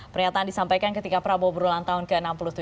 pernyataan disampaikan ketika prabowo berulang tahun ke enam puluh tujuh